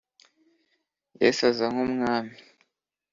yesu aza nku mwami